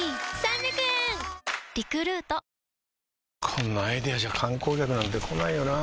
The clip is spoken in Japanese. こんなアイデアじゃ観光客なんて来ないよなあ